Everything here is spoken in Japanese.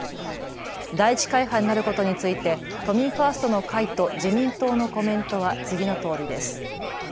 第１会派になることについて都民ファーストの会と自民党のコメントは次のとおりです。